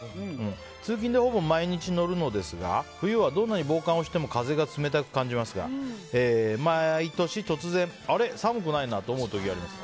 通勤でほぼ毎日乗るのですが冬はどんなに防寒をしても風が冷たく感じますが毎年突然寒くないなと感じる時があります。